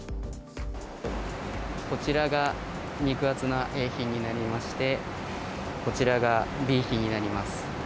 こちらが肉厚なＡ品になりまして、こちらがＢ品になります。